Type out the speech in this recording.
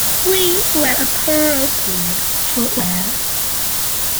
Please wear appropriate footwear.